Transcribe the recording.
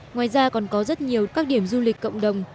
ngoài ra còn có rất nhiều các điểm du lịch cộng đồng